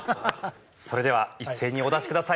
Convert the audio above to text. それでは一斉にお出しください。